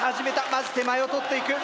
まず手前を取っていく。